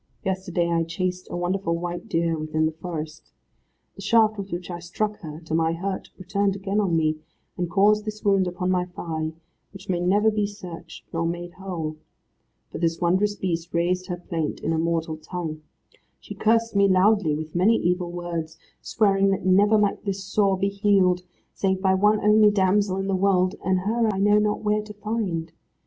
Yesterday I chased a wonderful white deer within the forest. The shaft with which I struck her to my hurt, returned again on me, and caused this wound upon my thigh, which may never be searched, nor made whole. For this wondrous Beast raised her plaint in a mortal tongue. She cursed me loudly, with many evil words, swearing that never might this sore be healed, save by one only damsel in the world, and her I know not where to find.